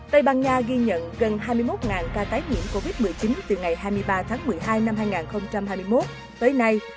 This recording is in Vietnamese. tây ban nha ghi nhận gần hai mươi một ca tái nhiễm covid một mươi chín từ ngày hai mươi ba tháng một mươi hai năm hai nghìn hai mươi một tới nay